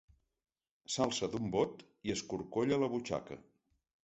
S'alça d'un bot i escorcolla la butxaca.